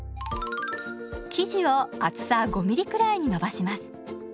生地を厚さ５ミリくらいに伸ばします。